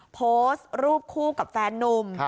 โพสต์รูปคู่กับแฟนนุ่ม